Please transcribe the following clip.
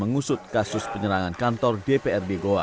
mengusut kasus penyerangan kantor dprd goa